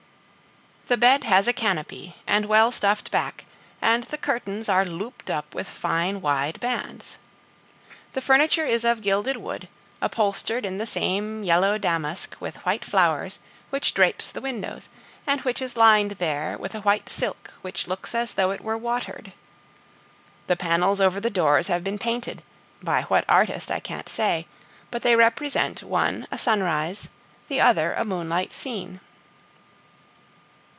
The bed has a canopy and well stuffed back, and the curtains are looped up with fine wide bands. The furniture is of gilded wood, upholstered in the same yellow damask with white flowers which drapes the windows, and which is lined there with a white silk that looks as though it were watered. The panels over the doors have been painted, by what artist I can't say, but they represent one a sunrise, the other a moonlight scene.